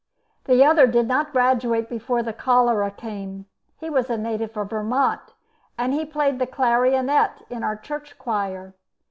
The other did not graduate before the cholera came. He was a native of Vermont, and he played the clarionet in our church choir.